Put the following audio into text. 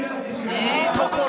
いいところ！